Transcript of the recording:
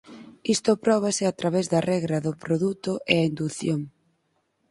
Isto próbase a través da regra do produto e a indución.